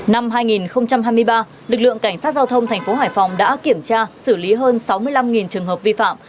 năm hai nghìn hai mươi ba lực lượng cảnh sát giao thông thành phố hải phòng đã kiểm tra xử lý hơn sáu mươi năm trường hợp vi phạm